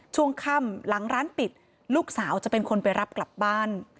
ช่วงค่ำหลังร้านปิดลูกสาวจะเป็นคนไปรับกลับบ้าน